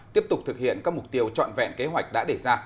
tiếp tục thực hiện các mục tiêu trọn vẹn kế hoạch đã đề ra